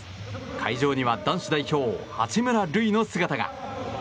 会場には男子代表、八村塁の姿が。